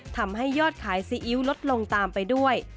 ทำให้ยอดขายซีอิ๊วลดลงตามไปด้วย